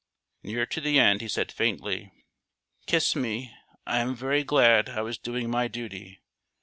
Near to the end he said faintly, "Kiss me; I am very glad I was doing my duty.